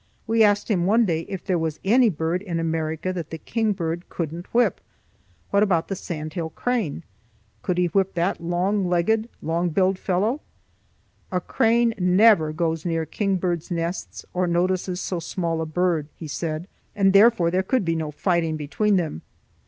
We asked him one day if there was any bird in America that the kingbird couldn't whip. What about the sandhill crane? Could he whip that long legged, long billed fellow? "A crane never goes near kingbirds' nests or notices so small a bird," he said, "and therefore there could be no fighting between them."